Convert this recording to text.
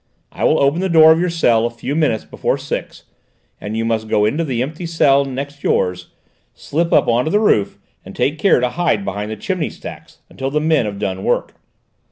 I will open the door of your cell a few minutes before six, and you must go into the empty cell next yours, slip up on to the roof and take care to hide behind the chimney stacks until the men have done work.